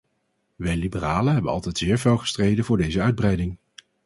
Wij liberalen hebben altijd zeer fel gestreden voor deze uitbreiding.